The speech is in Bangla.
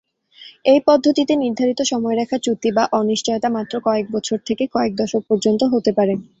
এই পদ্ধতিতে নির্ধারিত সময়রেখা চ্যুতি বা অনিশ্চয়তা মাত্র কয়েক বছর থেকে কয়েক দশক পর্যন্ত হতে পারে।